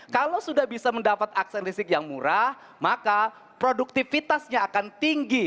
kalau sudah bisa mendapat akses listrik yang murah maka produktivitasnya akan tinggi